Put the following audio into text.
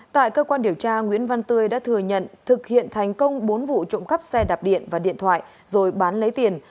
tại cơ quan điều tra nguyễn văn tươi đã thừa nhận thực hiện thành công bốn vụ trộm cắp xe đạp điện và điện thoại rồi bán lấy tiền